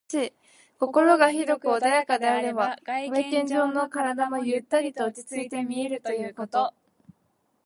心が広く穏やかであれば、外見上の体もゆったりと落ち着いて見えるということ。